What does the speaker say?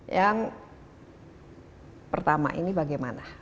yang pertama ini bagaimana